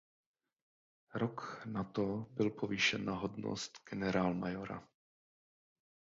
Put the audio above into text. Rok na to byl povýšen do hodnosti generálmajora.